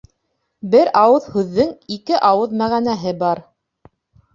Бер ауыҙ һүҙҙең ике ауыҙ мәғәнәһе бар.